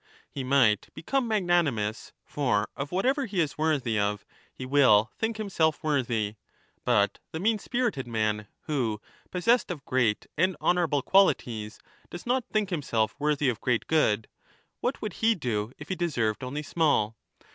He might become magna 25 nimous, for of whatever he is worthy of he will think himself worthy. But the mean spirited man who, possessed of great and honourable qualities, does not think himself worthy of great good — what would he do if he deserved only small